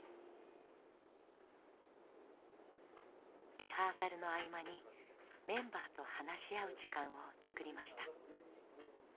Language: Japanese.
リハーサルの合間にメンバーと話し合う時間を作りました。